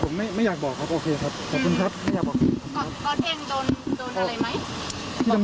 คือไม่อยากจะบอกอะไรมากคือคุณเอาไปดีกว่าค่ะ